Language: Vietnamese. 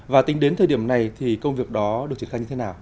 và tính đến thời điểm này thì công việc đó được triển khai như thế nào